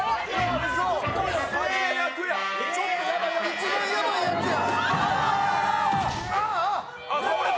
一番ヤバいやつや！